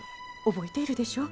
覚えているでしょ。